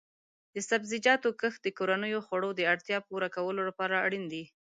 د سبزیجاتو کښت د کورنیو خوړو د اړتیا پوره کولو لپاره اړین دی.